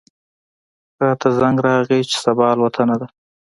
راته زنګ راغی چې صبا الوتنه ده.